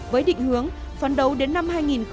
với định hướng phấn đấu đến năm hai nghìn ba mươi